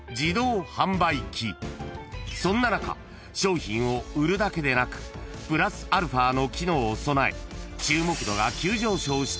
［そんな中商品を売るだけでなくプラスアルファの機能を備え］